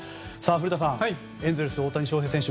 古田さん、エンゼルス大谷翔平選手